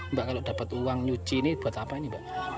mbak kalau dapat uang nyuci ini buat apa ini mbak